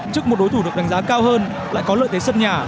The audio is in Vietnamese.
trước một đối thủ được đánh giá cao hơn lại có lợi thế sân nhà